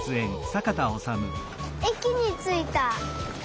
えきについた！